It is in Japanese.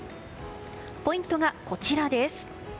ポイントが、こちらです。